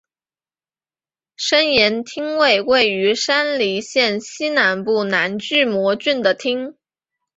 身延町为位于山梨县西南部南巨摩郡的町。